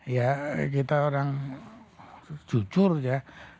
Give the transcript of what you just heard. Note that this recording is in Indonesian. ya kita orang jujur ya